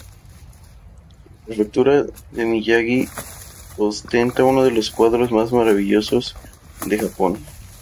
La prefectura de Miyagi ostenta uno de los cuadros más maravillosos de Japón.